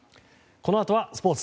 このあとはスポーツ。